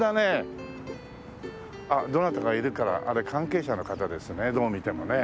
あっどなたかいるからあれ関係者の方ですねどう見てもね。